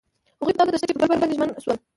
هغوی په تاوده دښته کې پر بل باندې ژمن شول.